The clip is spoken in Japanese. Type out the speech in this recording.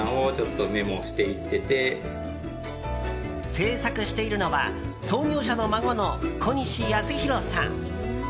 制作しているのは創業者の孫の小西康裕さん。